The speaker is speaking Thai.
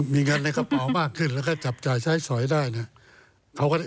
มีเงินในกระเป๋ามากขึ้นแล้วก็จับจ่ายใช้สอยได้เนี่ย